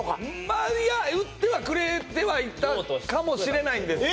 まあいや言ってはくれてはいたんかもしれないんですけど